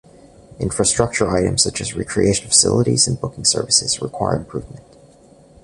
Infrastructure items such as recreation facilities and booking services require improvement.